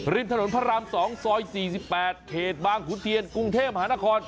ถนนพระราม๒ซอย๔๘เขตบางขุนเทียนกรุงเทพหานคร